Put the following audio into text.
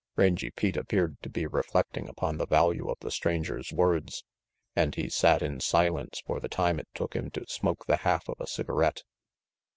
Rangy Pete appeared to be reflecting upon the value of the stranger's words, and he sat in silence for the time it took him to smoke the half of a cigarette.